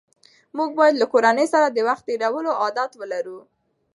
موږ باید له کورنۍ سره د وخت تېرولو عادت ولرو